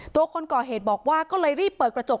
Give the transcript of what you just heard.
คนก่อเหตุบอกว่าก็เลยรีบเปิดกระจก